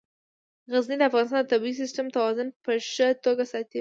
غزني د افغانستان د طبعي سیسټم توازن په ښه توګه ساتي.